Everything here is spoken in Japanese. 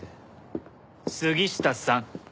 杉下さん。